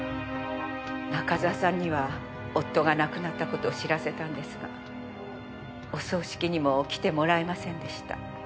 中沢さんには夫が亡くなった事を知らせたんですがお葬式にも来てもらえませんでした。